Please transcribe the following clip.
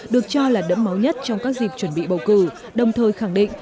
được cho là đẫm máu nhất trong các dịp chuẩn bị bầu cử đồng thời khẳng định